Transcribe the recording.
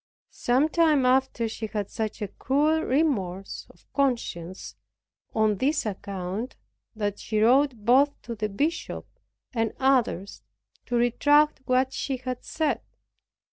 Some time after she had such a cruel remorse of conscience on this account, that she wrote both to the bishop and others to retract what she had said.